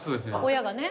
親がね。